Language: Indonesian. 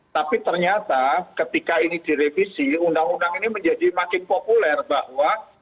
tapi ternyata ketika ini direvisi undang undang ini menjadi makin populer bahwa